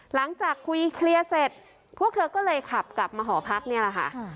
หลังจากคุยเคลียร์เสร็จพวกเธอก็เลยขับกลับมาหอพักนี่แหละค่ะ